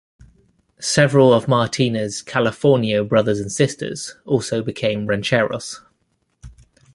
Several of Martina's Californio brothers and sisters also became "rancheros".